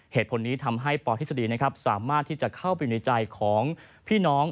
เหตุผลนี้ทำให้ปทฤษฎีนะครับสามารถที่จะเข้าไปในใจของพี่น้อง